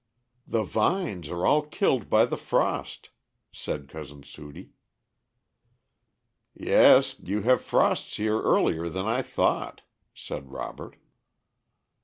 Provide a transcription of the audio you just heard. "The vines are all killed by the frost," said Cousin Sudie. "Yes; you have frosts here earlier than I thought," said Robert.